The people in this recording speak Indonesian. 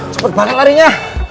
cepet banget larinya